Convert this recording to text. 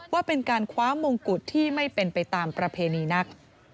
ว่าเป็นการคว้ามงกุฎที่ไม่เป็นไปตามประเพณีนัก